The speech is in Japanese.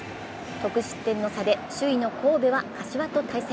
得失点の差で首位の神戸は柏と対戦。